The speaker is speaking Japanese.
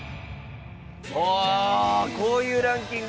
こういうランキング。